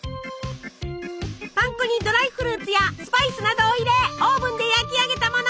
パン粉にドライフルーツやスパイスなどを入れオーブンで焼き上げたもの。